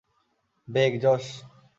Bake, Josh!